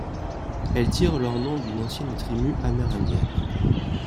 Elles tirent leur nom d'une ancienne tribu amérindienne.